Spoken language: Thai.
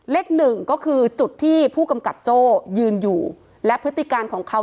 เลขหนึ่งก็คือจุดที่ผู้กำกับโจ้ยืนอยู่และพฤติการของเขา